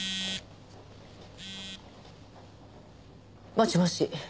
もしもし？